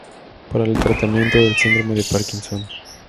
Para el tratamiento del síndrome de Parkinson.